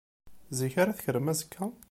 Zik ara tekkrem azekka?